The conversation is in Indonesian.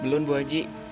belum bu haji